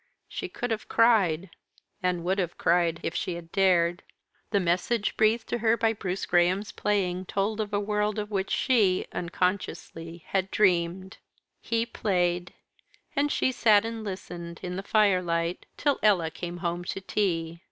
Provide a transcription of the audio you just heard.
She could have cried and would have cried, if she had dared. The message breathed to her by Bruce Graham's playing told of a world of which she, unconsciously, had dreamed. He played; and she sat and listened, in the firelight, till Ella came home to tea.